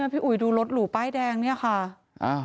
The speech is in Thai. พี่อุ๋ยดูรถหรูป้ายแดงเนี่ยค่ะ